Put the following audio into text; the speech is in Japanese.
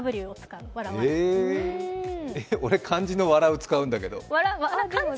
俺、漢字の「笑」使うんだけど。